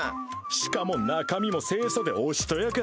しかも中身も清楚でおしとやか。